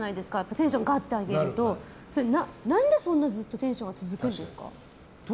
テンション上げると、何でそんなずっとテンションが続くんですか？